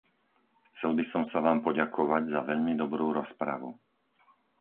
Chcel by som sa vám poďakovať za veľmi dobrú rozpravu.